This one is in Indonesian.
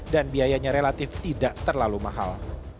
dan biayanya relatif tidak terlalu mahal